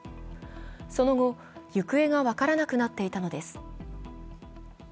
その後、行方が分からなくなっていたのです。